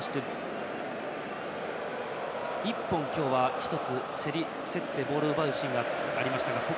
１本、今日は競ってボールを奪うシーンがありました。